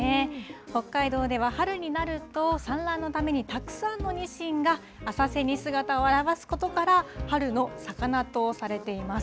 北海道では春になると産卵のためにたくさんのニシンが浅瀬に姿を現すことから、春の魚とされています。